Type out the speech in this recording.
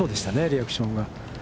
リアクションが。